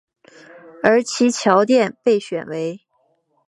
而其桥殿被选为。